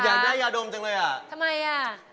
อยากได้ยาดมจังเลยเหรอนะทำไมน่ะครับ